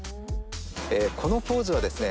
このポーズはですね